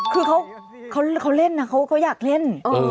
คือเขาเล่นนะเขาอยากเล่น